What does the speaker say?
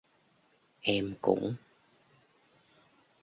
Em cũng